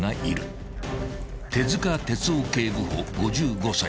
［手塚哲男警部補５５歳］